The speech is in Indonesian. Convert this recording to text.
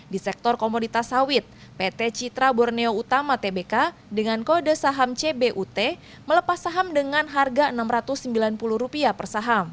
di sektor komoditas sawit pt citra borneo utama tbk dengan kode saham cbut melepas saham dengan harga rp enam ratus sembilan puluh per saham